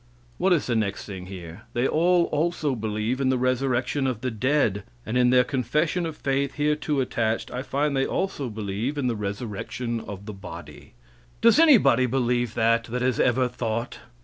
What is the next thing here? They all also believe in the resurrection of the dead, and in their confession of faith hereto attached I find they also believe in the resurrection of the body. Does anybody believe that, that has ever thought?